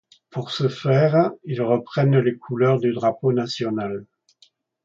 Pour ce faire, ils reprennent les couleurs du drapeau national.